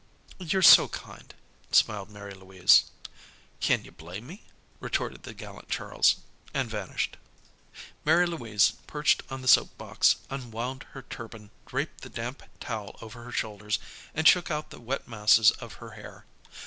"You're so kind," smiled Mary Louise. "Kin you blame me?" retorted the gallant Charles. And vanished. Mary Louise, perched on the soap box, unwound her turban, draped the damp towel over her shoulders, and shook out the wet masses of her hair.